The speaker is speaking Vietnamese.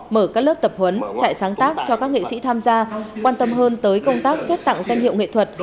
mở các lớp tập huấn trại sáng tác cho các nghệ sĩ tham gia quan tâm hơn tới công tác xét tặng danh hiệu nghệ thuật